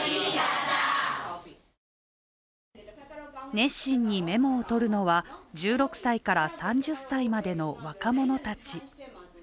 熱心にメモをとるのは１６歳から３０歳までの若者たち。